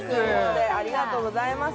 ありがとうございます